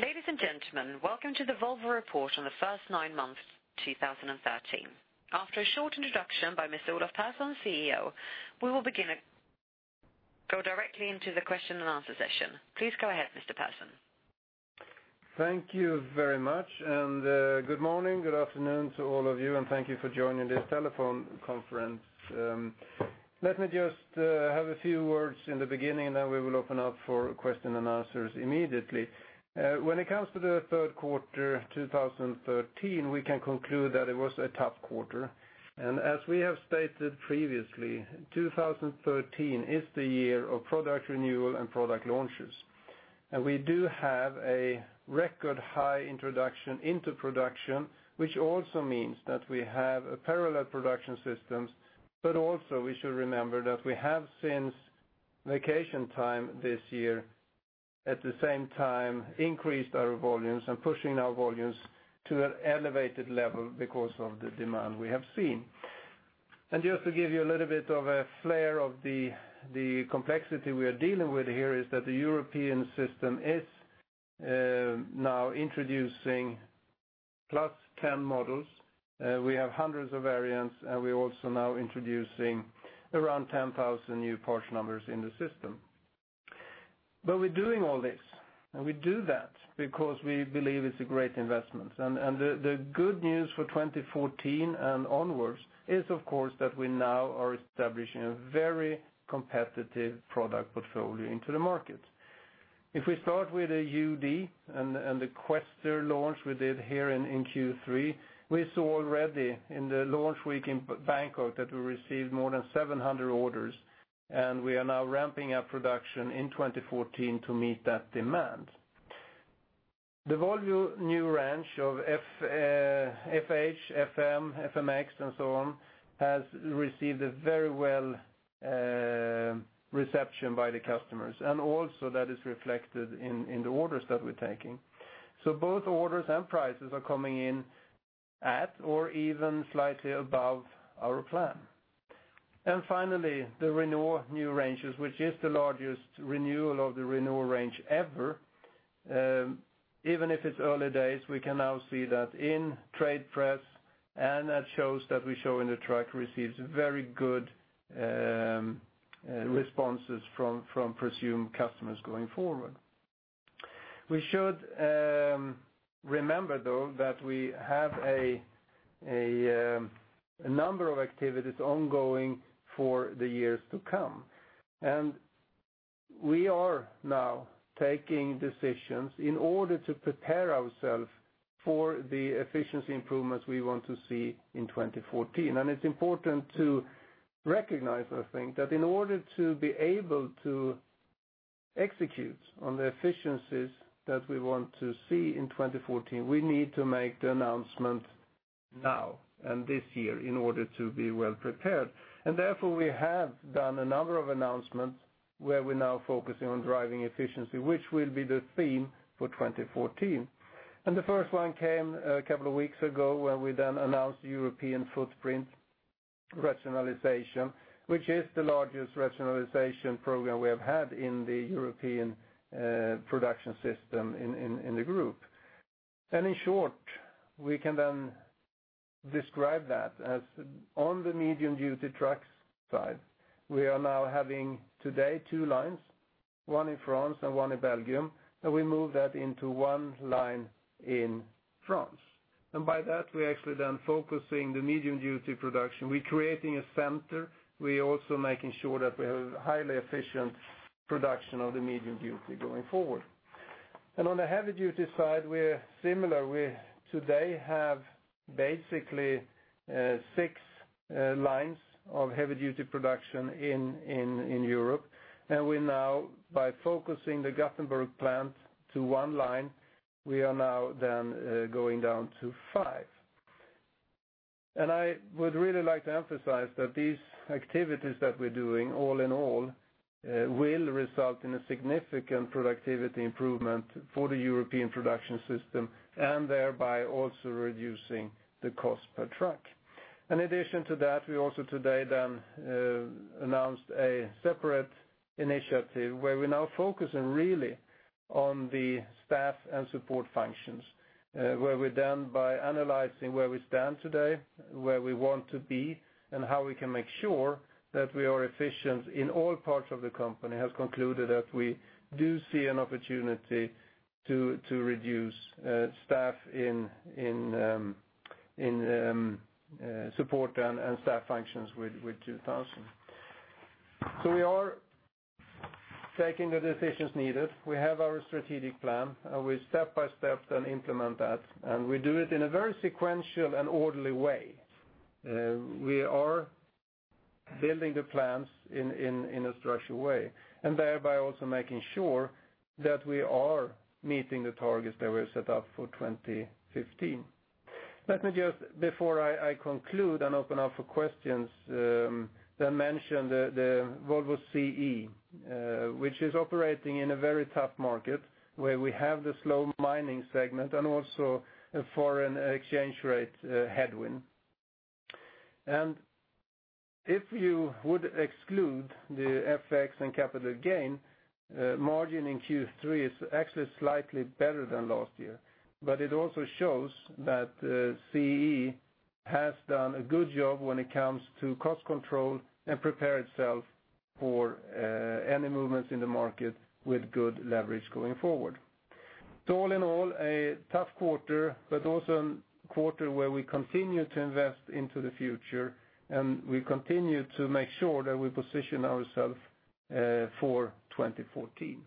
Ladies and gentlemen, welcome to the Volvo report on the first nine months, 2013. After a short introduction by Mr. Olof Persson, CEO, we will begin and go directly into the question and answer session. Please go ahead, Mr. Persson. Thank you very much. Good morning, good afternoon to all of you. Thank you for joining this telephone conference. Let me just have a few words in the beginning. Then we will open up for question and answers immediately. When it comes to the third quarter 2013, we can conclude that it was a tough quarter. As we have stated previously, 2013 is the year of product renewal and product launches. We do have a record high introduction into production, which also means that we have parallel production systems, but also we should remember that we have since vacation time this year, at the same time increased our volumes and pushing our volumes to an elevated level because of the demand we have seen. Just to give you a little bit of a flare of the complexity we are dealing with here is that the European system is now introducing +10 models. We have hundreds of variants, and we're also now introducing around 10,000 new parts numbers in the system. We're doing all this, and we do that because we believe it's a great investment. The good news for 2014 and onwards is of course that we now are establishing a very competitive product portfolio into the market. If we start with the UD and the Quester launch we did here in Q3, we saw already in the launch week in Bangkok that we received more than 700 orders. We are now ramping up production in 2014 to meet that demand. The Volvo new range of FH, FM, FMX, and so on, has received a very well reception by the customers. Also that is reflected in the orders that we're taking. Both orders and prices are coming in at or even slightly above our plan. Finally, the Renault ranges, which is the largest renewal of the renewal range ever. Even if it's early days, we can now see that in trade press, and that shows that we show in the truck receives very good responses from presumed customers going forward. We should remember though that we have a number of activities ongoing for the years to come. We are now taking decisions in order to prepare ourselves for the efficiency improvements we want to see in 2014. It's important to recognize, I think, that in order to be able to execute on the efficiencies that we want to see in 2014, we need to make the announcement now and this year in order to be well prepared. Therefore, we have done a number of announcements where we're now focusing on driving efficiency, which will be the theme for 2014. The first one came a couple of weeks ago when we then announced European Footprint Rationalization, which is the largest rationalization program we have had in the European production system in the Volvo Group. In short, we can then describe that as on the medium-duty trucks side, we are now having today 2 lines, 1 in France and 1 in Belgium, and we move that into 1 line in France. By that, we're actually then focusing the medium-duty production. We're creating a center. We're also making sure that we have a highly efficient production of the medium-duty going forward. On the heavy-duty side, we're similar. We today have basically 6 lines of heavy-duty production in Europe, and we now by focusing the Gothenburg plant to 1 line, we are now then going down to 5. I would really like to emphasize that these activities that we're doing all in all will result in a significant productivity improvement for the European production system, and thereby also reducing the cost per truck. In addition to that, we also today then announced a separate initiative where we're now focusing really on the staff and support functions, where we're then by analyzing where we stand today, where we want to be, and how we can make sure that we are efficient in all parts of the company, have concluded that we do see an opportunity to reduce staff in support and staff functions with 2,000. We are taking the decisions needed. We have our strategic plan, and we step by step implement that, and we do it in a very sequential and orderly way. We are building the plans in a structured way, and thereby also making sure that we are meeting the targets that we have set up for 2015. Let me just, before I conclude and open up for questions, mention the Volvo CE, which is operating in a very tough market where we have the slow mining segment and also a foreign exchange rate headwind. If you would exclude the FX and capital gain, margin in Q3 is actually slightly better than last year. But it also shows that CE has done a good job when it comes to cost control and prepare itself for any movements in the market with good leverage going forward. So all in all, a tough quarter, but also a quarter where we continue to invest into the future, and we continue to make sure that we position ourself for 2014.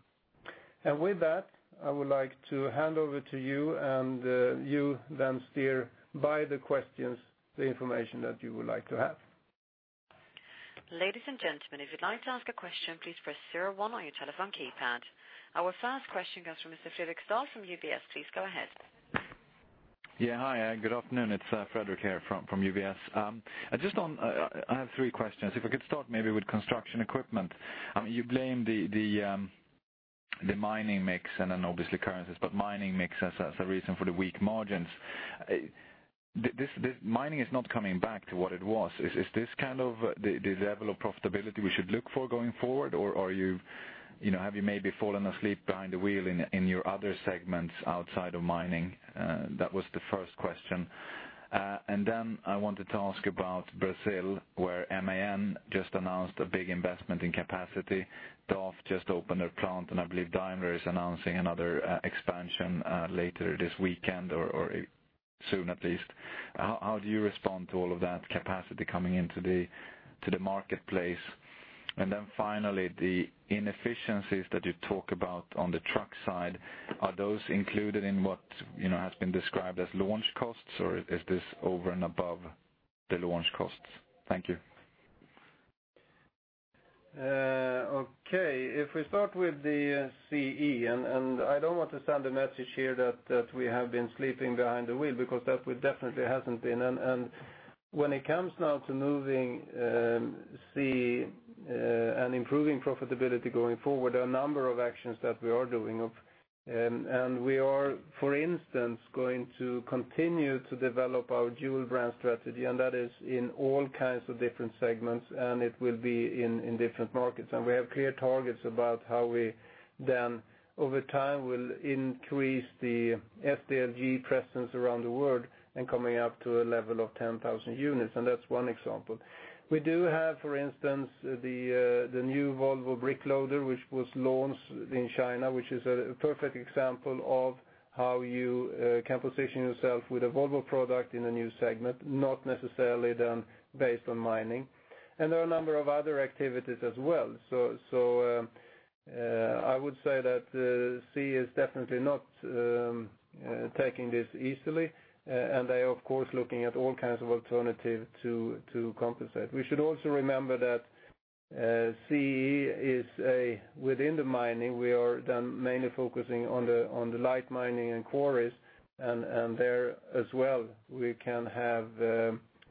With that, I would like to hand over to you, and you then steer by the questions, the information that you would like to have. Ladies and gentlemen, if you'd like to ask a question, please press 01 on your telephone keypad. Our first question comes from Mr. Fredric Stahl from UBS. Please go ahead. Yeah. Hi, good afternoon. It's Fredric here from UBS. I have three questions. If I could start maybe with Construction Equipment. You blame the mining mix and obviously currencies, but mining mix as a reason for the weak margins. Mining is not coming back to what it was. Is this the level of profitability we should look for going forward, or have you maybe fallen asleep behind the wheel in your other segments outside of mining? That was the first question. I wanted to ask about Brazil, where MAN just announced a big investment in capacity. DAF just opened a plant, and I believe Daimler is announcing another expansion later this weekend or soon at least. How do you respond to all of that capacity coming into the marketplace? Finally, the inefficiencies that you talk about on the truck side, are those included in what has been described as launch costs, or is this over and above the launch costs? Thank you. Okay. If we start with the CE, I don't want to send a message here that we have been sleeping behind the wheel, because that definitely hasn't been. When it comes now to moving CE and improving profitability going forward, there are a number of actions that we are doing. We are, for instance, going to continue to develop our dual brand strategy, that is in all kinds of different segments, and it will be in different markets. We have clear targets about how we then over time will increase the SDLG presence around the world and coming up to a level of 10,000 units, that's one example. We do have, for instance, the new Volvo wheel loader, which was launched in China, which is a perfect example of how you can position yourself with a Volvo product in a new segment, not necessarily then based on mining. There are a number of other activities as well. I would say that CE is definitely not taking this easily, and they are, of course, looking at all kinds of alternatives to compensate. We should also remember that CE is, within the mining, we are then mainly focusing on the light mining and quarries, and there as well, we can have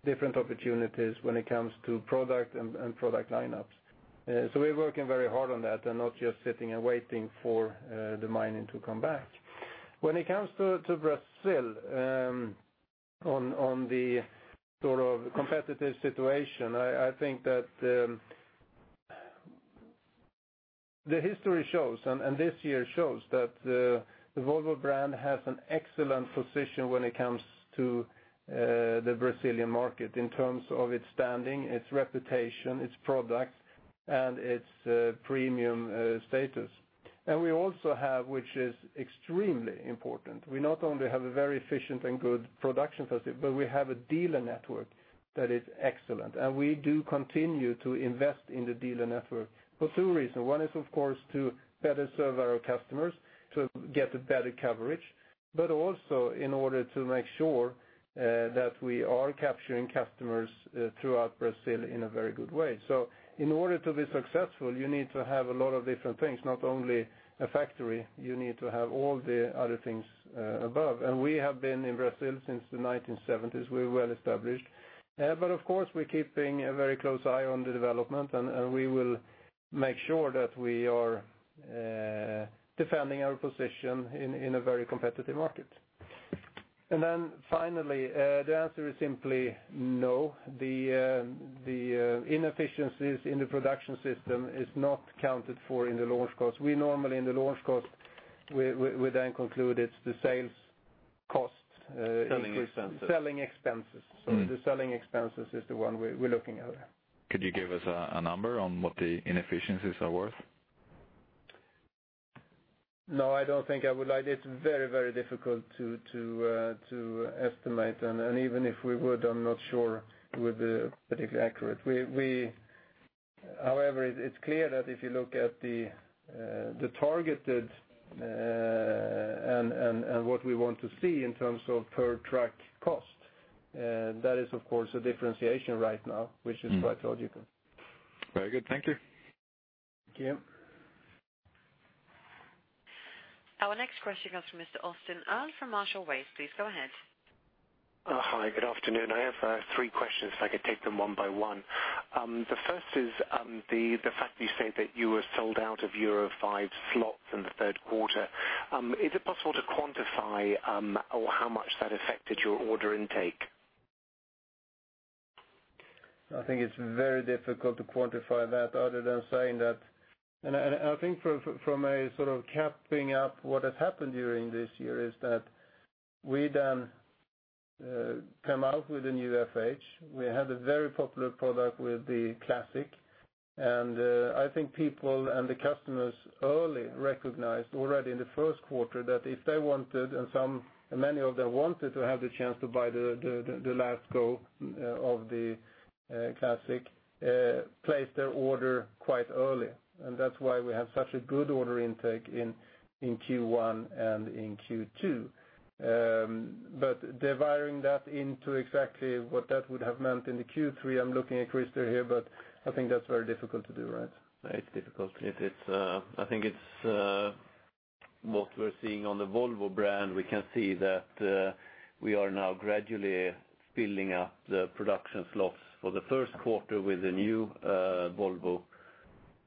different opportunities when it comes to product and product lineups. We're working very hard on that and not just sitting and waiting for the mining to come back. When it comes to Brazil, on the sort of competitive situation, I think that the history shows, and this year shows that the Volvo brand has an excellent position when it comes to the Brazilian market in terms of its standing, its reputation, its products, and its premium status. We also have, which is extremely important, we not only have a very efficient and good production facility, but we have a dealer network that is excellent. We do continue to invest in the dealer network for two reasons. One is, of course, to better serve our customers, to get a better coverage, but also in order to make sure that we are capturing customers throughout Brazil in a very good way. In order to be successful, you need to have a lot of different things, not only a factory. You need to have all the other things above. We have been in Brazil since the 1970s. We're well established. Of course, we're keeping a very close eye on the development, and we will make sure that we are defending our position in a very competitive market. Then finally, the answer is simply no. The inefficiencies in the production system is not counted for in the launch cost. We normally in the launch cost, we then conclude it's the sales cost- Selling expenses. The selling expenses is the one we're looking at. Could you give us a number on what the inefficiencies are worth? No, I don't think I would like. It's very, very difficult to estimate. Even if we would, I'm not sure it would be particularly accurate. However, it's clear that if you look at the targeted and what we want to see in terms of per truck cost, that is, of course, a differentiation right now, which is quite logical. Very good. Thank you. Thank you. Our next question comes from Mr. Austin Earl from Marshall Wace. Please go ahead. Hi, good afternoon. I have three questions, if I could take them one by one. The first is the fact that you said that you were sold out of Euro V slots in the third quarter. Is it possible to quantify or how much that affected your order intake? I think it's very difficult to quantify that other than saying that. I think from a capping up what has happened during this year is that we come out with a new FH. We had a very popular product with the Classic. I think people and the customers early recognized already in the first quarter that if they wanted, and many of them wanted to have the chance to buy the last go of the Classic, place their order quite early. That's why we have such a good order intake in Q1 and in Q2. Divvying that into exactly what that would have meant into Q3, I'm looking at Christer here, but I think that's very difficult to do, right? It's difficult. I think it's what we're seeing on the Volvo brand. We can see that we are now gradually filling up the production slots for the first quarter with the new Volvo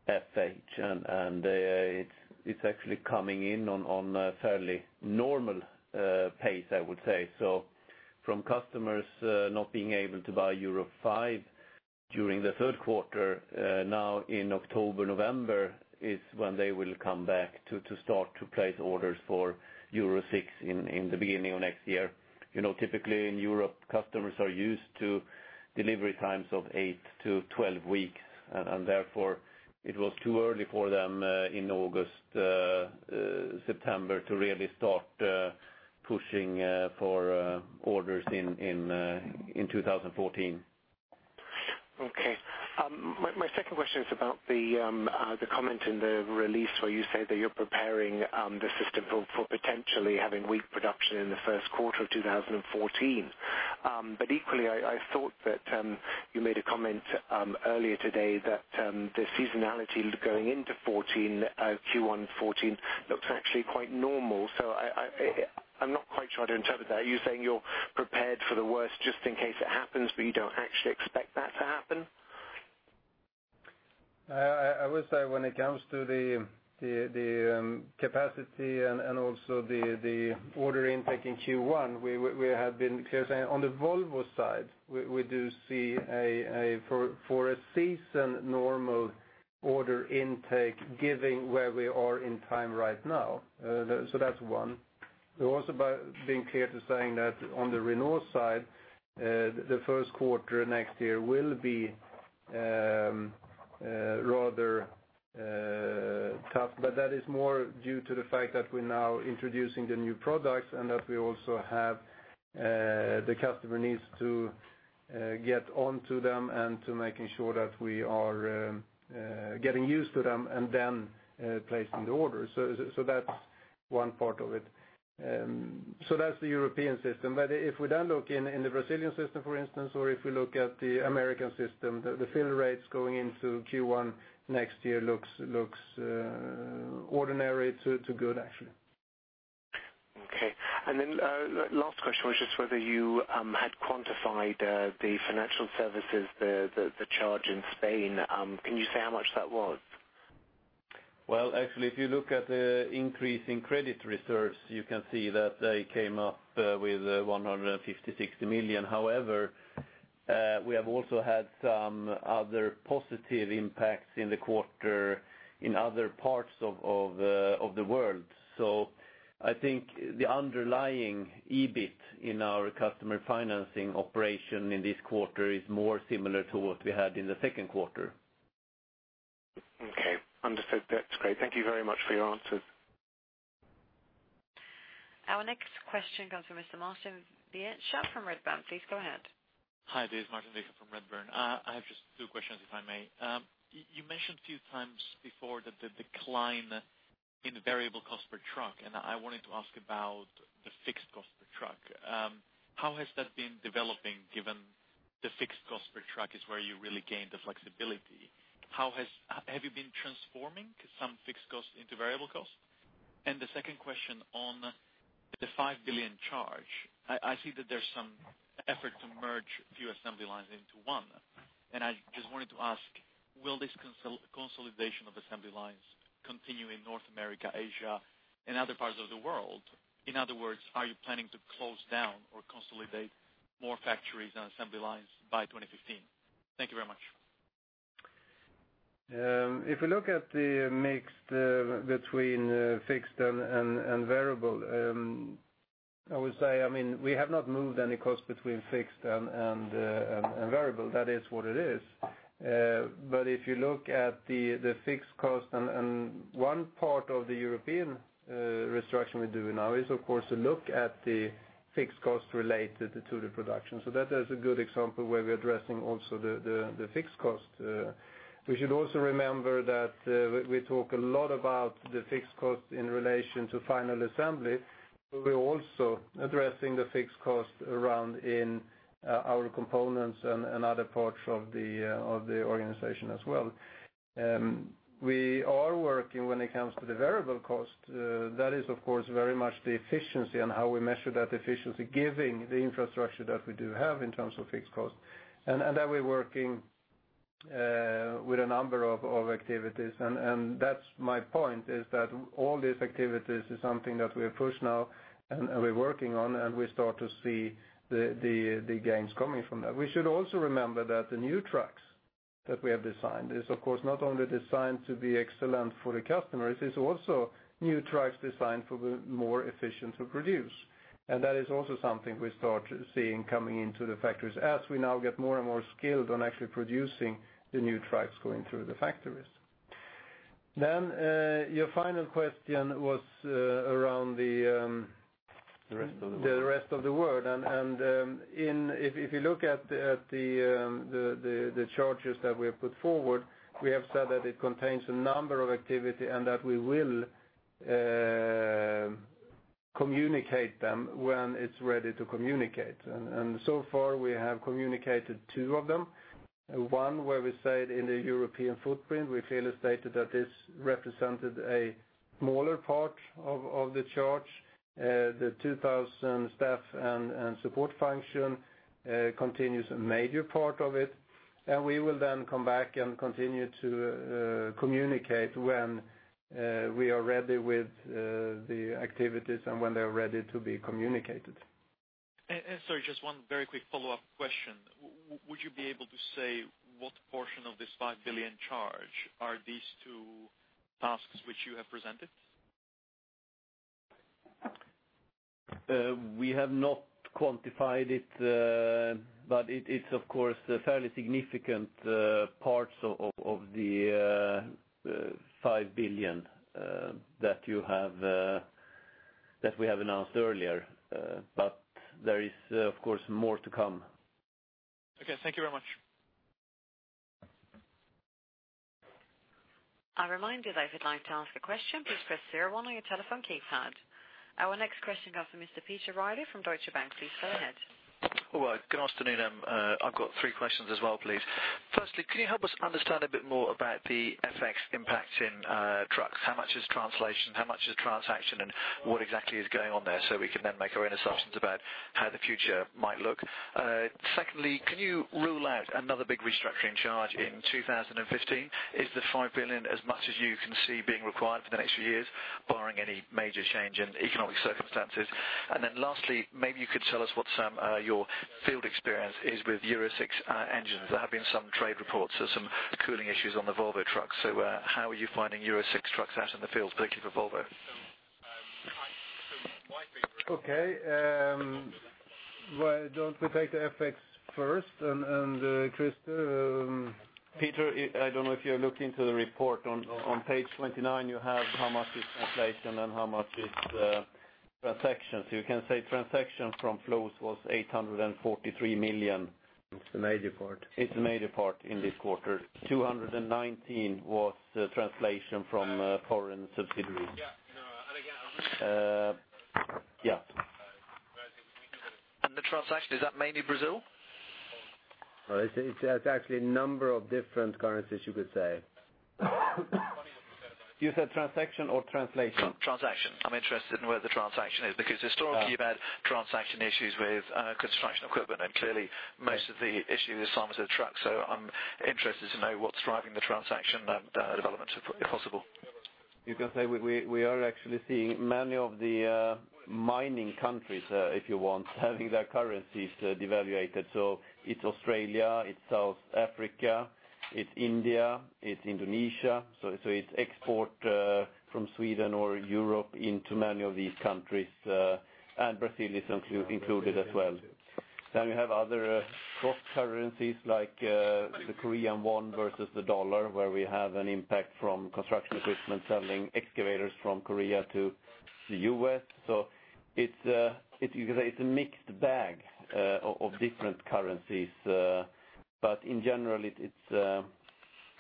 FH. It's actually coming in on a fairly normal pace, I would say. From customers not being able to buy Euro V during the third quarter, now in October, November is when they will come back to start to place orders for Euro VI in the beginning of next year. Typically, in Europe, customers are used to delivery times of 8 to 12 weeks, and therefore, it was too early for them in August, September to really start pushing for orders in 2014. Okay. My second question is about the comment in the release where you say that you're preparing the system for potentially having weak production in the first quarter of 2014. Equally, I thought that you made a comment earlier today that the seasonality going into Q1 '14 looks actually quite normal. I'm not quite sure I'd interpret that. Are you saying you're prepared for the worst just in case it happens, but you don't actually expect that to happen? I would say when it comes to the capacity and also the order intake in Q1, we have been clear, saying on the Volvo side, we do see for a season normal order intake given where we are in time right now. That's one. We're also being clear to saying that on the Renault side, the first quarter next year will be rather tough, but that is more due to the fact that we're now introducing the new products and that we also have the customer needs to get onto them and to making sure that we are getting used to them and then placing the orders. That's one part of it. That's the European system. If we then look in the Brazilian system, for instance, or if we look at the American system, the fill rates going into Q1 next year looks ordinary to good, actually. Okay. Last question was just whether you had quantified the financial services, the charge in Spain. Can you say how much that was? Well, actually, if you look at the increase in credit reserves, you can see that they came up with 150 million-160 million. However, we have also had some other positive impacts in the quarter in other parts of the world. I think the underlying EBIT in our customer financing operation in this quarter is more similar to what we had in the second quarter. Okay. Understood. That's great. Thank you very much for your answers. Our next question comes from Mr. Martin Viecha from Redburn. Please go ahead. Hi, this is Martin Viecha from Redburn. I have just two questions, if I may. You mentioned a few times before the decline in the variable cost per truck, and I wanted to ask about the fixed cost per truck. How has that been developing given the fixed cost per truck is where you really gain the flexibility? Have you been transforming some fixed cost into variable cost? The second question on the 5 billion charge, I see that there's some effort to merge a few assembly lines into one, and I just wanted to ask, will this consolidation of assembly lines continue in North America, Asia, and other parts of the world? In other words, are you planning to close down or consolidate more factories and assembly lines by 2015? Thank you very much. If we look at the mix between fixed and variable, I would say, we have not moved any cost between fixed and variable. That is what it is. If you look at the fixed cost, and one part of the European restructuring we're doing now is, of course, to look at the fixed cost related to the production. That is a good example where we're addressing also the fixed cost. We should also remember that we talk a lot about the fixed cost in relation to final assembly, but we're also addressing the fixed cost around in our components and other parts of the organization as well. We are working when it comes to the variable cost. That is, of course, very much the efficiency and how we measure that efficiency, given the infrastructure that we do have in terms of fixed cost, and that we're working with a number of activities. That's my point is that all these activities is something that we push now and are we working on, and we start to see the gains coming from that. We should also remember that the new trucks that we have designed is, of course, not only designed to be excellent for the customers, it's also new trucks designed for more efficient to produce. That is also something we start seeing coming into the factories, as we now get more and more skilled on actually producing the new trucks going through the factories. Your final question was around the- The rest of the world the rest of the world. If you look at the charges that we have put forward, we have said that it contains a number of activity and that we will communicate them when it's ready to communicate. So far we have communicated two of them. One, where we said in the European footprint, we clearly stated that this represented a smaller part of the charge. The 2,000 staff and support function continues a major part of it. We will then come back and continue to communicate when we are ready with the activities and when they're ready to be communicated. Sorry, just one very quick follow-up question. Would you be able to say what portion of this 5 billion charge are these two tasks which you have presented? We have not quantified it's of course, a fairly significant parts of the 5 billion that we have announced earlier. There is, of course, more to come. Okay. Thank you very much. I remind you that if you'd like to ask a question, please press 0 on your telephone keypad. Our next question comes from Mr. Peter Reilly from Deutsche Bank. Please go ahead. Well, good afternoon. I've got three questions as well, please. Firstly, can you help us understand a bit more about the FX impact in trucks? How much is translation? How much is transaction, and what exactly is going on there so we can make our own assumptions about how the future might look? Secondly, can you rule out another big restructuring charge in 2015? Is the 5 billion as much as you can see being required for the next few years, barring any major change in economic circumstances? Then lastly, maybe you could tell us what some your field experience is with Euro 6 engines. There have been some trade reports of some cooling issues on the Volvo trucks. How are you finding Euro 6 trucks out in the field, particularly for Volvo? Okay. Why don't we take the FX first, Christer, Peter, I don't know if you're looking to the report. On page 29 you have how much is translation and how much is transaction. You can say transaction from flows was 843 million. It's the major part. It's the major part in this quarter. 219 was the translation from foreign subsidiary. Yeah. The transaction, is that mainly Brazil? It has actually a number of different currencies you could say. You said transaction or translation? Transaction. I'm interested in where the transaction is, because historically you've had transaction issues with construction equipment, and clearly most of the issue this time is the truck, so I'm interested to know what's driving the transaction development, if possible. You can say we are actually seeing many of the mining countries, if you want, having their currencies devaluated. It's Australia, it's South Africa, it's India, it's Indonesia. It's export from Sweden or Europe into many of these countries, and Brazil is included as well. We have other cross currencies like the Korean won versus the U.S. dollar, where we have an impact from construction equipment selling excavators from Korea to the U.S. It's a mixed bag of different currencies. In general, it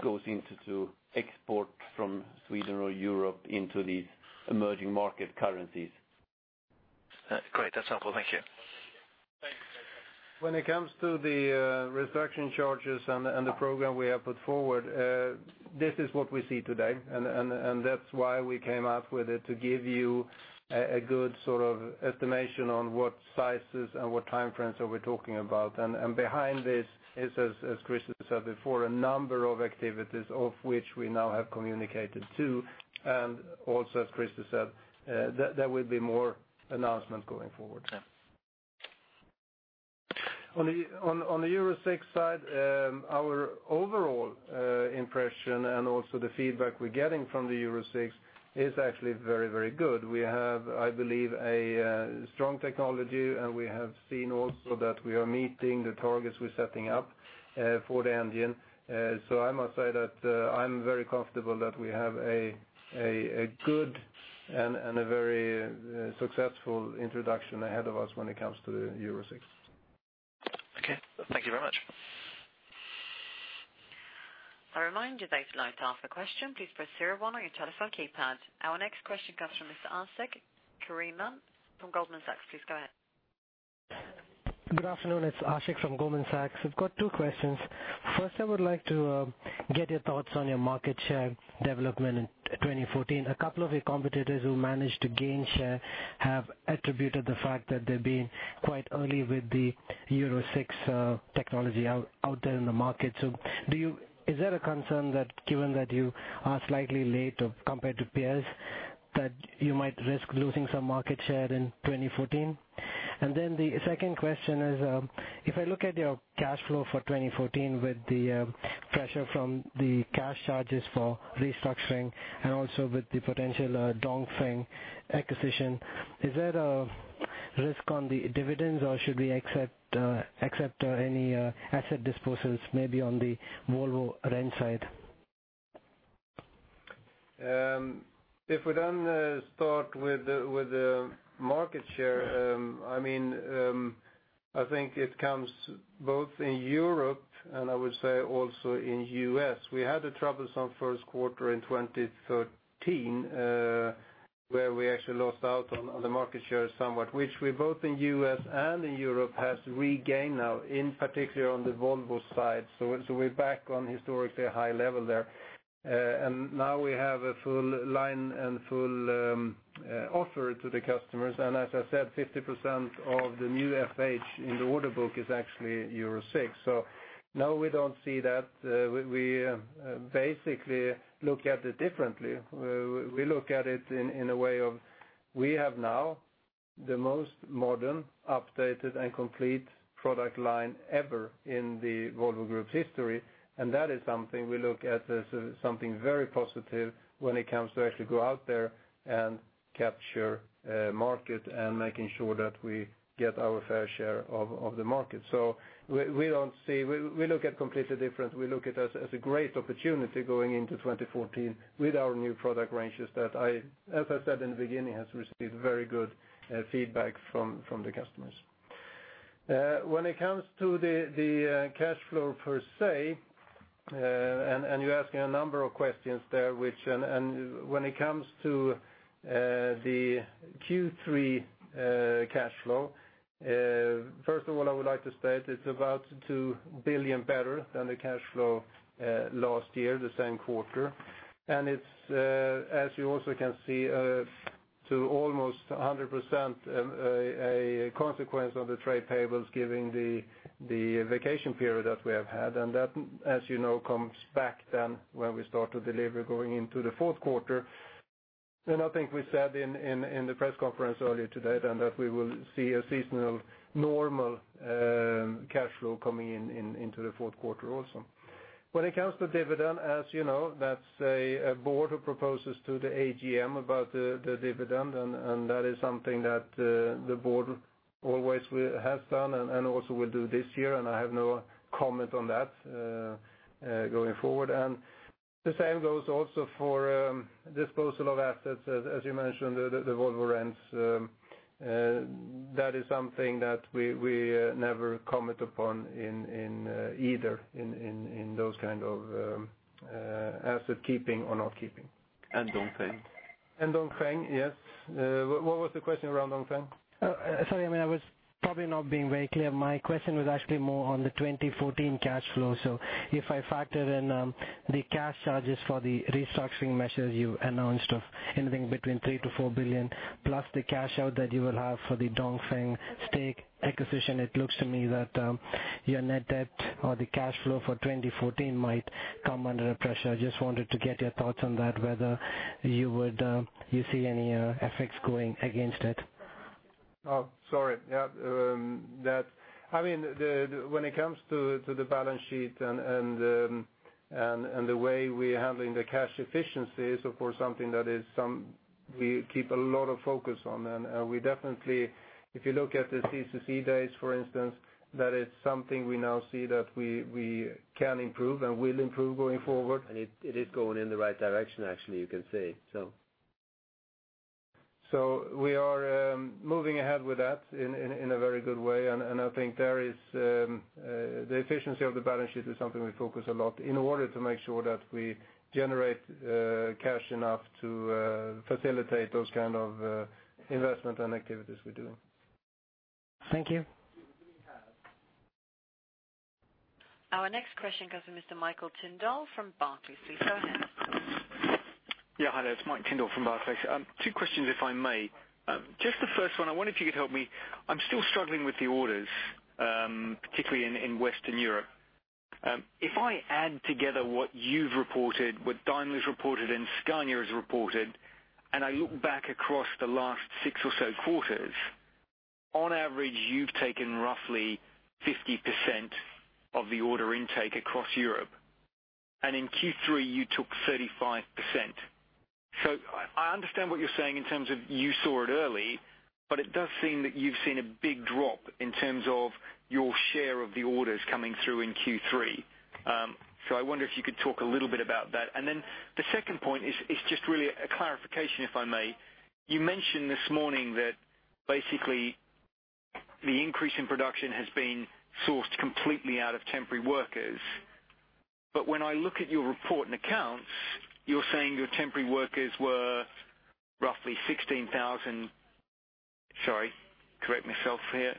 goes into export from Sweden or Europe into these emerging market currencies. Great. That's helpful. Thank you. Thanks. When it comes to the reduction charges and the program we have put forward, this is what we see today, and that's why we came up with it to give you a good sort of estimation on what sizes and what time frames are we talking about. Behind this is, as Christer said before, a number of activities of which we now have communicated to. Also, as Christer said, there will be more announcements going forward. Yeah. On the Euro 6 side, our overall impression and also the feedback we're getting from the Euro 6 is actually very good. We have, I believe, a strong technology. We have seen also that we are meeting the targets we're setting up for the engine. I must say that I'm very comfortable that we have a good and a very successful introduction ahead of us when it comes to Euro 6. Okay. Thank you very much. I remind you that if you'd like to ask a question, please press zero on your telephone keypad. Our next question comes from Mr. Ashik Kurian from Goldman Sachs. Please go ahead. Good afternoon. It's Ashik from Goldman Sachs. I've got two questions. First, I would like to get your thoughts on your market share development in 2014. A couple of your competitors who managed to gain share have attributed the fact that they're being quite early with the Euro 6 technology out there in the market. Is that a concern, given that you are slightly late compared to peers, that you might risk losing some market share in 2014? The second question is, if I look at your cash flow for 2014 with the pressure from the cash charges for restructuring and also with the potential Dongfeng acquisition, is there a risk on the dividends or should we accept any asset disposals maybe on the Volvo Rents side? We start with the market share, I think it comes both in Europe and I would say also in U.S. We had a troublesome first quarter in 2013, where we actually lost out on the market share somewhat, which we both in U.S. and in Europe have regained now, in particular on the Volvo side. We're back on historically a high level there. We have a full line and full offer to the customers. As I said, 50% of the new FH in the order book is actually Euro 6. No, we don't see that. We basically look at it differently, where we look at it in a way of we have now the most modern, updated, and complete product line ever in the Volvo Group's history, and that is something we look at as something very positive when it comes to actually go out there and capture market and making sure that we get our fair share of the market. We look at completely different. We look at it as a great opportunity going into 2014 with our new product ranges that, as I said in the beginning, has received very good feedback from the customers. When it comes to the cash flow per se, and you're asking a number of questions there. When it comes to the Q3 cash flow, first of all, I would like to state it's about 2 billion better than the cash flow last year, the same quarter. It's, as you also can see, to almost 100% a consequence of the trade payables given the vacation period that we have had. That, as you know, comes back then when we start to deliver going into the fourth quarter. I think we said in the press conference earlier today then that we will see a seasonal normal cash flow coming into the fourth quarter also. When it comes to dividend, as you know, that's a board who proposes to the AGM about the dividend, and that is something that the board always has done and also will do this year, and I have no comment on that going forward. The same goes also for disposal of assets, as you mentioned, the Volvo Rents. That is something that we never comment upon in either, in those kind of asset keeping or not keeping. Dongfeng. Dongfeng, yes. What was the question around Dongfeng? Sorry. I was probably not being very clear. My question was actually more on the 2014 cash flow. If I factor in the cash charges for the restructuring measures you announced of anything between 3 billion-4 billion, plus the cash out that you will have for the Dongfeng stake acquisition, it looks to me that your net debt or the cash flow for 2014 might come under pressure. I just wanted to get your thoughts on that, whether you see any effects going against it. Oh, sorry. When it comes to the balance sheet and the way we are handling the cash efficiency is, of course, something that we keep a lot of focus on. If you look at the C2C days, for instance, that is something we now see that we can improve and will improve going forward. It is going in the right direction, actually, you can say. We are moving ahead with that in a very good way, and I think the efficiency of the balance sheet is something we focus a lot in order to make sure that we generate cash enough to facilitate those kind of investment and activities we're doing. Thank you. Our next question comes from Mr. Michael Tindall from Barclays. We phone him. Yeah. Hi there. It's Mike Tindall from Barclays. 2 questions, if I may. Just the 1st one, I wonder if you could help me. I'm still struggling with the orders, particularly in Western Europe. If I add together what you've reported, what Daimler's reported, and Scania has reported, and I look back across the last six or so quarters, on average, you've taken roughly 50% of the order intake across Europe. In Q3, you took 35%. I understand what you're saying in terms of you saw it early, but it does seem that you've seen a big drop in terms of your share of the orders coming through in Q3. I wonder if you could talk a little bit about that. The 2nd point is just really a clarification, if I may. You mentioned this morning that basically the increase in production has been sourced completely out of temporary workers. When I look at your report and accounts, you're saying your temporary workers were roughly 16,000. Sorry, correct myself here,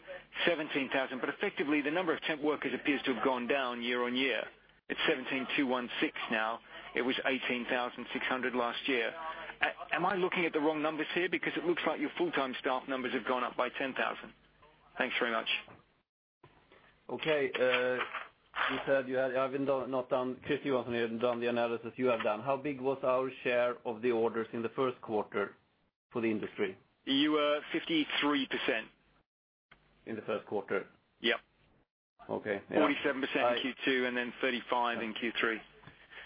17,000. Effectively, the number of temp workers appears to have gone down year-over-year. It's 17,216 now. It was 18,600 last year. Am I looking at the wrong numbers here? Because it looks like your full-time staff numbers have gone up by 10,000. Thanks very much. Okay. You said you had not done, Christer wasn't here, done the analysis you have done. How big was our share of the orders in the 1st quarter for the industry? You were 53%. In the first quarter? Yep. Okay. Yeah. 47% in Q2 and then 35% in Q3.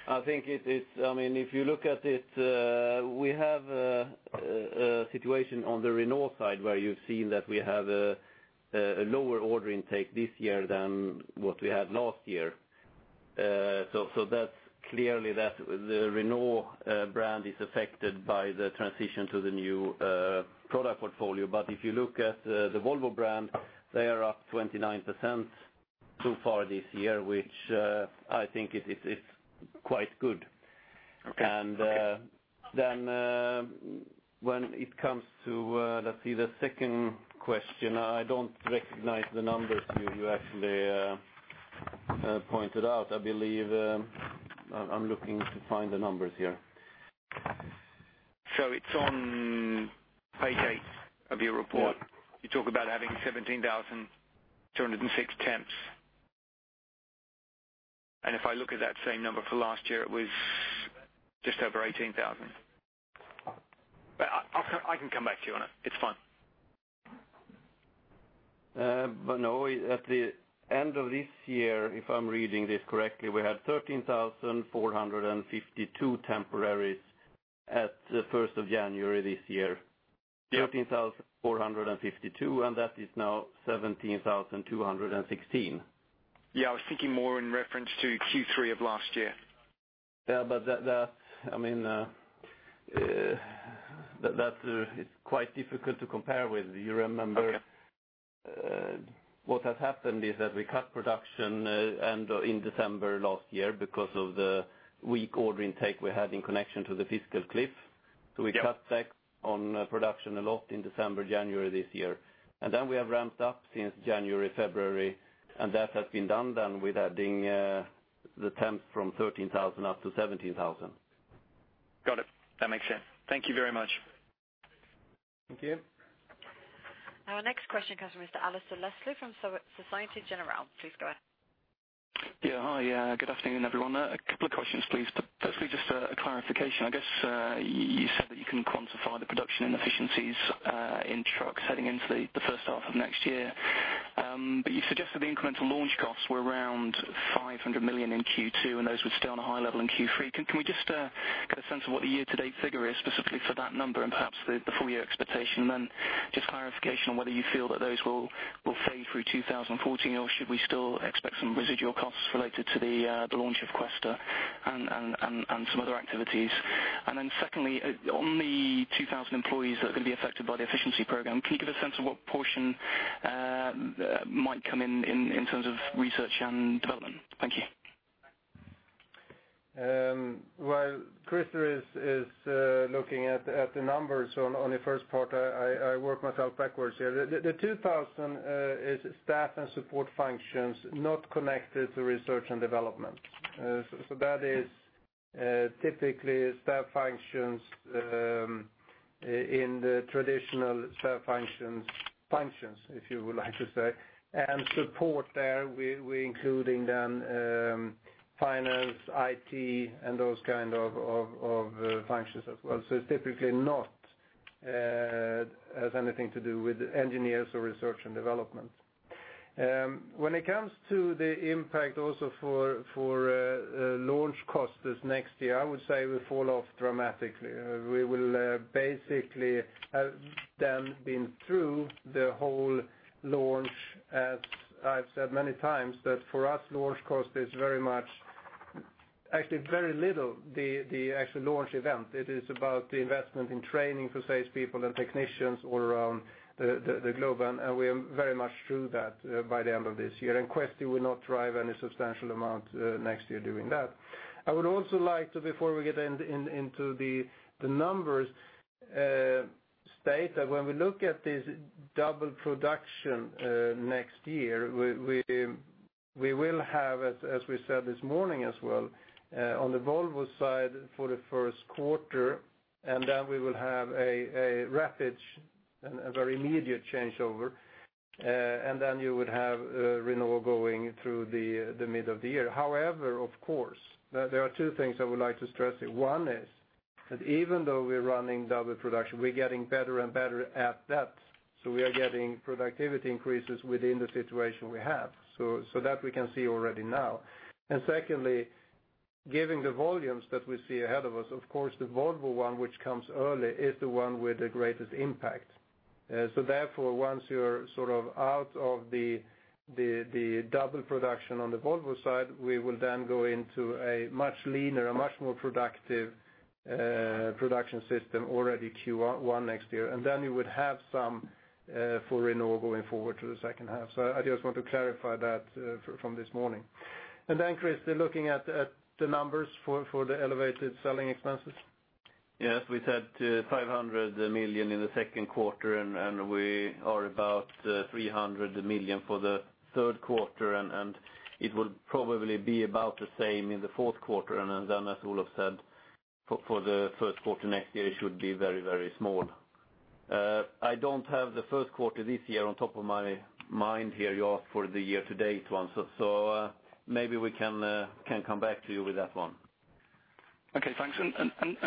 I think if you look at it, we have a situation on the Renault side where you've seen that we have a lower order intake this year than what we had last year. Clearly, the Renault brand is affected by the transition to the new product portfolio. If you look at the Volvo brand, they are up 29% so far this year, which I think is quite good. Okay. When it comes to, let's see, the second question, I don't recognize the numbers you actually pointed out. I believe, I'm looking to find the numbers here. It's on page eight of your report. Yeah. You talk about having 17,206 temps. If I look at that same number for last year, it was just over 18,000. I can come back to you on it. It's fine. No, at the end of this year, if I'm reading this correctly, we had 13,452 temporaries at the 1st of January this year. Yep. 13,452, that is now 17,216. Yeah, I was thinking more in reference to Q3 of last year. Yeah, that is quite difficult to compare with. Okay what has happened is that we cut production in December last year because of the weak order intake we had in connection to the fiscal cliff. Yep. We cut back on production a lot in December, January this year. Then we have ramped up since January, February, and that has been done then with adding the temp from 13,000 up to 17,000. Got it. That makes sense. Thank you very much. Thank you. Our next question comes from Mr. Alasdair Leslie from Societe Generale. Please go ahead. Hi, good afternoon, everyone. A couple of questions, please. Firstly, just a clarification. I guess, you said that you can quantify the production inefficiencies in trucks heading into the first half of next year. You suggested the incremental launch costs were around 500 million in Q2, and those were still on a high level in Q3. Can we just get a sense of what the year-to-date figure is specifically for that number and perhaps the full-year expectation? Just clarification on whether you feel that those will fade through 2014, or should we still expect some residual costs related to the launch of Quester and some other activities? Secondly, on the 2,000 employees that are going to be affected by the efficiency program, can you give a sense of what portion might come in terms of research and development? Thank you. While Christer is looking at the numbers on the first part, I work myself backwards here. The 2,000 is staff and support functions not connected to research and development. That is typically staff functions in the traditional staff functions, if you would like to say, and support there, we including them, finance, IT, and those kind of functions as well. It typically not has anything to do with engineers or research and development. When it comes to the impact also for launch costs this next year, I would say will fall off dramatically. We will basically have then been through the whole launch as I've said many times, that for us, launch cost is very much actually very little, the actual launch event. It is about the investment in training for salespeople and technicians all around the globe. We are very much through that by the end of this year. Quester will not drive any substantial amount next year doing that. I would also like to, before we get into the numbers, state that when we look at this double production next year, we will have, as we said this morning as well, on the Volvo side for the first quarter, then we will have a rapid, a very immediate changeover, and then you would have Renault going through the mid of the year. However, of course, there are two things I would like to stress here. One is that even though we're running double production, we're getting better and better at that. We are getting productivity increases within the situation we have. That we can see already now. Secondly, given the volumes that we see ahead of us, of course, the Volvo one, which comes early, is the one with the greatest impact. Therefore, once you're sort of out of the double production on the Volvo side, we will then go into a much leaner and much more productive Production system already Q1 next year. You would have some for Renault going forward to the second half. I just want to clarify that from this morning. Christer, still looking at the numbers for the elevated selling expenses? Yes, we said 500 million in the second quarter, we are about 300 million for the third quarter, it will probably be about the same in the fourth quarter. As Olof said, for the first quarter next year, it should be very, very small. I don't have the first quarter this year on top of my mind here, you asked for the year-to-date one, maybe we can come back to you with that one. Okay, thanks.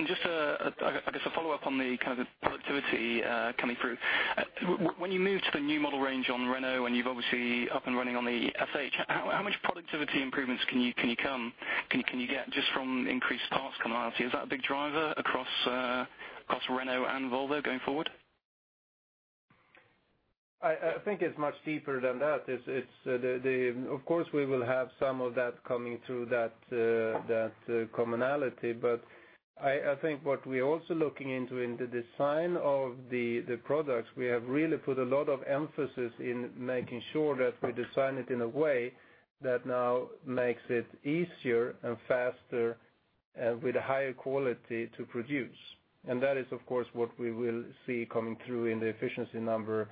Just, I guess a follow-up on the kind of productivity coming through. When you move to the new model range on Renault, you're obviously up and running on the FH, how much productivity improvements can you get just from increased parts commonality? Is that a big driver across Renault and Volvo going forward? I think it's much deeper than that. Of course, we will have some of that coming through that commonality. I think what we're also looking into in the design of the products, we have really put a lot of emphasis in making sure that we design it in a way that now makes it easier and faster with a higher quality to produce. That is, of course, what we will see coming through in the efficiency number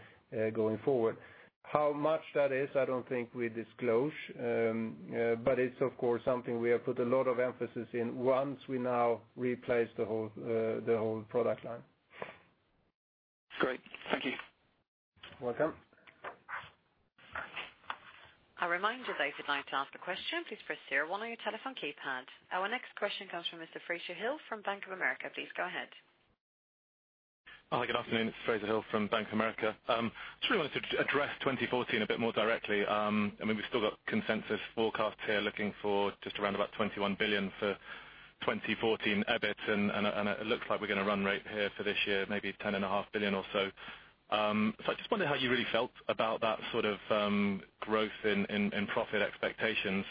going forward. How much that is, I don't think we disclose. It's, of course, something we have put a lot of emphasis in once we now replace the whole product line. Great. Thank you. You're welcome. I remind you though, if you'd like to ask a question, please press zero one on your telephone keypad. Our next question comes from Mr. Fraser Hill from Bank of America. Please go ahead. Hi, good afternoon. It's Fraser Hill from Bank of America. Just really wanted to address 2014 a bit more directly. I mean, we've still got consensus forecasts here looking for just around about 21 billion for 2014 EBIT, and it looks like we're going to run rate here for this year maybe 10.5 billion or so. I just wondered how you really felt about that sort of growth in profit expectations,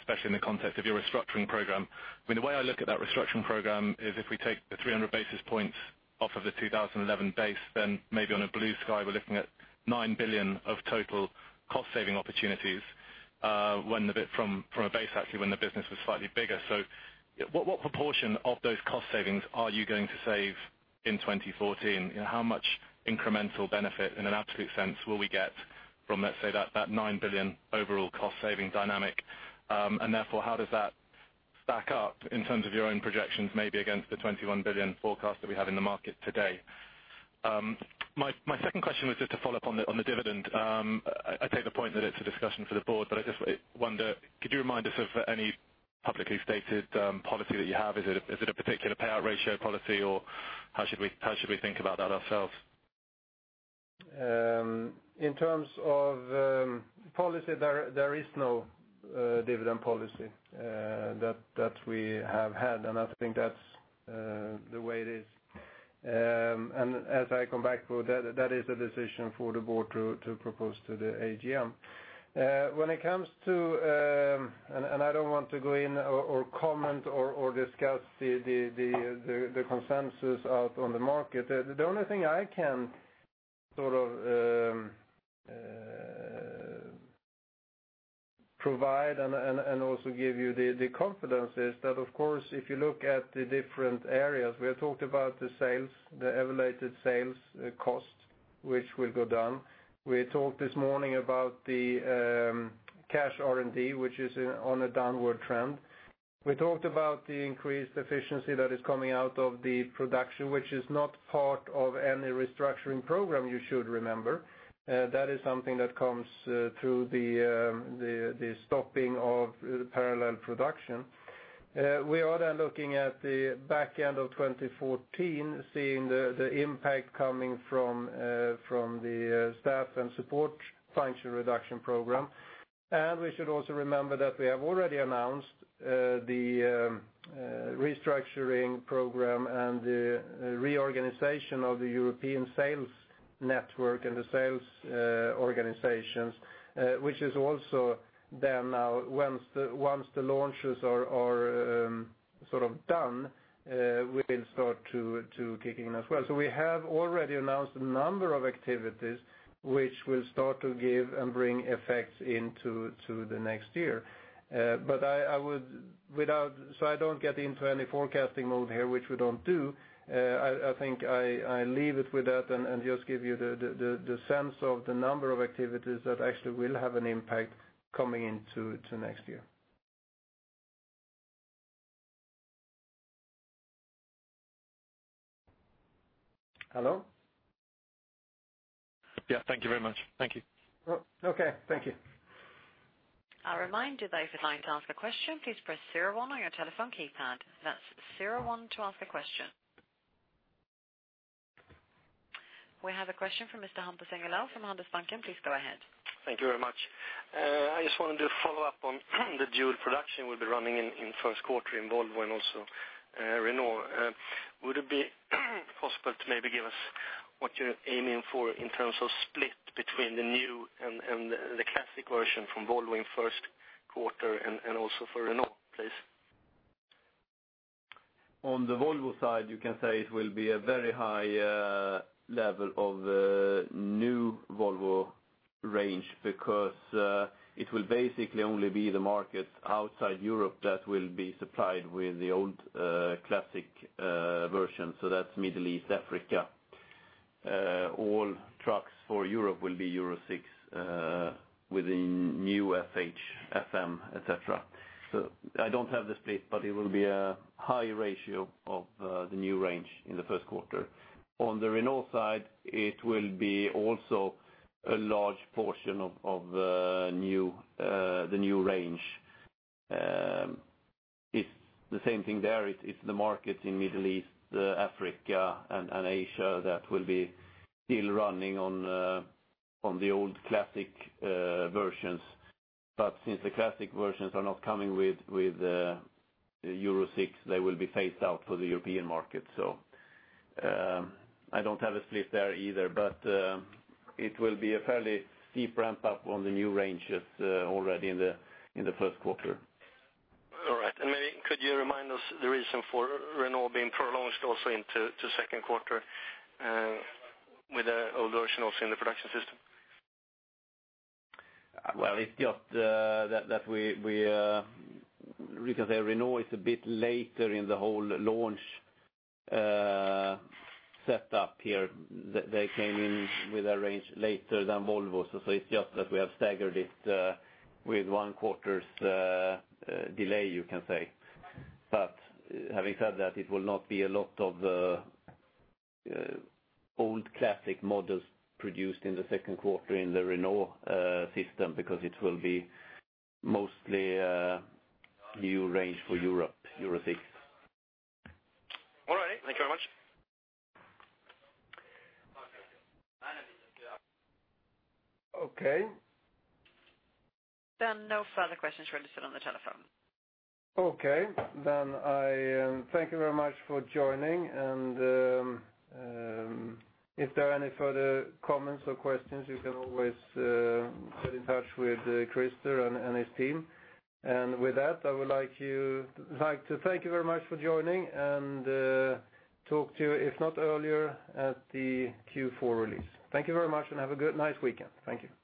especially in the context of your restructuring program. I mean, the way I look at that restructuring program is if we take the 300 basis points off of the 2011 base, then maybe on a blue sky, we're looking at 9 billion of total cost-saving opportunities from a base actually when the business was slightly bigger. What proportion of those cost savings are you going to save in 2014? How much incremental benefit in an absolute sense will we get from, let's say, that 9 billion overall cost saving dynamic? Therefore, how does that stack up in terms of your own projections, maybe against the 21 billion forecast that we have in the market today? My second question was just to follow up on the dividend. I take the point that it's a discussion for the board, but I just wonder, could you remind us of any publicly stated policy that you have? Is it a particular payout ratio policy, or how should we think about that ourselves? In terms of policy, there is no dividend policy that we have had. I think that's the way it is. As I come back to that is a decision for the board to propose to the AGM. I don't want to go in or comment or discuss the consensus out on the market. The only thing I can sort of provide and also give you the confidence is that, of course, if you look at the different areas, we have talked about the sales, the elevated sales cost, which will go down. We talked this morning about the cash R&D, which is on a downward trend. We talked about the increased efficiency that is coming out of the production, which is not part of any restructuring program, you should remember. That is something that comes through the stopping of parallel production. We are looking at the back end of 2014, seeing the impact coming from the staff and support function reduction program. We should also remember that we have already announced the restructuring program and the reorganization of the European sales network and the sales organizations which is also there now once the launches are sort of done will start to kick in as well. We have already announced a number of activities which will start to give and bring effects into the next year. I don't get into any forecasting mode here, which we don't do. I think I leave it with that and just give you the sense of the number of activities that actually will have an impact coming into next year. Hello? Yeah. Thank you very much. Thank you. Okay. Thank you. I remind you though, if you'd like to ask a question, please press zero one on your telephone keypad. That's zero one to ask a question. We have a question from Mr. Hampus Engellau from Handelsbanken. Please go ahead. Thank you very much. I just wanted to follow up on the dual production we'll be running in first quarter in Volvo and also Renault. Would it be possible to maybe give us what you're aiming for in terms of split between the new and the Classic version from Volvo in first quarter and also for Renault, please? On the Volvo side, you can say it will be a very high level of new Volvo range because it will basically only be the markets outside Europe that will be supplied with the old Classic version. That's Middle East, Africa. All trucks for Europe will be Euro 6 within new FH, FM, et cetera. I don't have the split, but it will be a high ratio of the new range in the first quarter. On the Renault side, it will be also a large portion of the new range. It's the same thing there. It's the market in Middle East, Africa, and Asia that will be still running on the old Classic versions. Since the Classic versions are not coming with Euro 6, they will be phased out for the European market. I don't have a split there either, but it will be a fairly steep ramp-up on the new ranges already in the first quarter. All right. Maybe could you remind us the reason for Renault being prolonged also into second quarter with the old version also in the production system? Well, it's just that Because Renault is a bit later in the whole launch setup here. They came in with a range later than Volvo. It's just that we have staggered it with one quarter's delay, you can say. Having said that, it will not be a lot of the old Classic models produced in the second quarter in the Renault system because it will be mostly new range for Europe, Euro 6. All right. Thank you very much. Okay. No further questions registered on the telephone. Okay. I thank you very much for joining and if there are any further comments or questions, you can always get in touch with Christer and his team. With that, I would like to thank you very much for joining and talk to you, if not earlier, at the Q4 release. Thank you very much and have a good, nice weekend. Thank you.